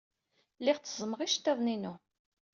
Lliɣ tteẓẓmeɣ iceḍḍiḍen-inu.